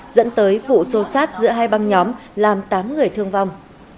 dẫn tới vụ xô xát giữa hai băng nhóm làm tám người thương vong